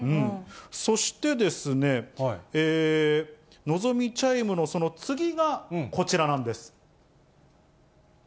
そしてですね、のぞみチャイムのその次がこちらなんです。